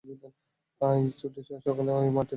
আয় ছুটে সকলে এই মাটির ধরা তলে আসো না, শুটু!